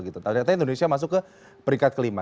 ternyata indonesia masuk ke peringkat kelima